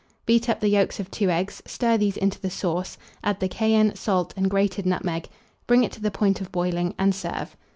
Beat up the yolks of 2 eggs; stir these into the sauce; add the cayenne, salt, and grated nutmeg; bring it to the point of boiling, and serve.